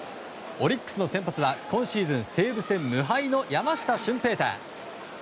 オリックスの先発は今シーズン西武戦無敗の山下舜平大。